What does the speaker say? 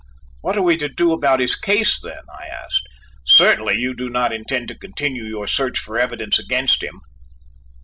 "What are we to do about his case then," I asked. "Certainly you do not intend to continue your search for evidence against him?"